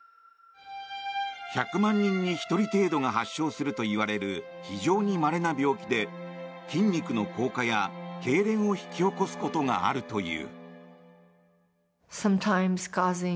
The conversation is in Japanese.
１００万人に１人程度が発症するといわれる非常にまれな病気で筋肉の硬化やけいれんを引き起こすことがあるという。